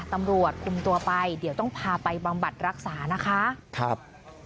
ตำรวจคุมตัวไปเดี๋ยวต้องพาไปบำบัดรักษานะคะครับ